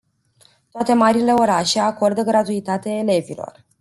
Toate marile orașe acordă gratuitate elevilor.